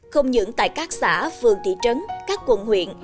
không những tại các xã phường thị trấn các quận huyện